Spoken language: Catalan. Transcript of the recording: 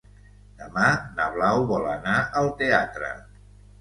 Demà na Blau vol anar al teatre.